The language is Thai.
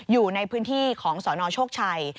อยู่ในพื้นที่ของสนโชคชัย